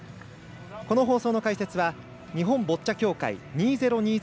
この放送の解説は日本ボッチャ協会２０２０